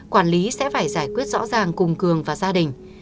quản lý sẽ phải giải quyết rõ ràng cùng cường và gia đình